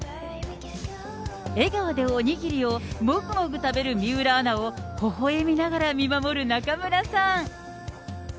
笑顔でお握りをもぐもぐ食べる水卜アナをほほえみながら見守る中村さん。